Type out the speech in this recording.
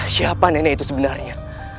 siapa nenek itu sebenarnya